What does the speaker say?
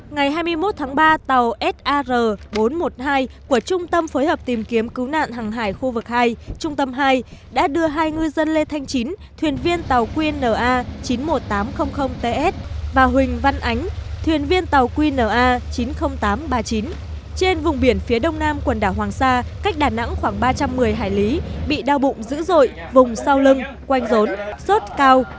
ngày hai mươi một tháng ba tàu sar bốn trăm một mươi hai của trung tâm phối hợp tìm kiếm cứu nạn hàng hải khu vực hai trung tâm hai đã đưa hai người dân lê thanh chín thuyền viên tàu queen na chín mươi một nghìn tám trăm linh ts và huỳnh văn ánh thuyền viên tàu queen na chín mươi nghìn tám trăm ba mươi chín trên vùng biển phía đông nam quần đảo hoàng sa cách đà nẵng khoảng ba trăm một mươi hải lý bị đau bụng dữ dội vùng sau lưng quanh rốn sốt cao